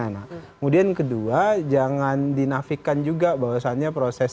kemudian kedua jangan dinafikan juga bahwasannya prosesnya